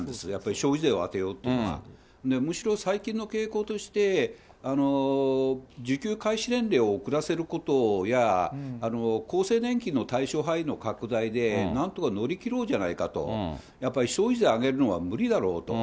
消費税を充てようというのは、むしろ最近の傾向として、受給開始年齢を遅らせることや、厚生年金の対象範囲の拡大で、なんとか乗り切ろうじゃないかと、やっぱり消費税を上げるのは無理だろうと。